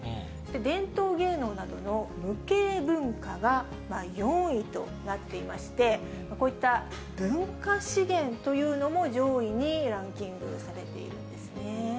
伝統芸能などの無形文化が４位となっていまして、こういった文化資源というのも、上位にランキングされているんですね。